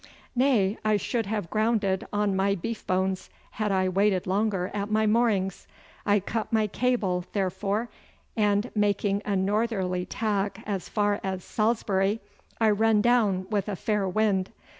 'Nay, I should have grounded on my beef bones had I waited longer at my moorings. I cut my cable, therefore, and, making a northerly tack as far as Salisbury, I run down with a fair wind.